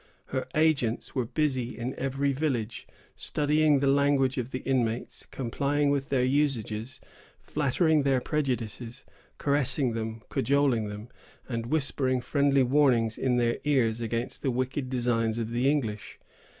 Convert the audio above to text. Her agents were busy in every village, studying the language of the inmates, complying with their usages, flattering their prejudices, caressing them, cajoling them, and whispering friendly warnings in their ears against the wicked designs of the English.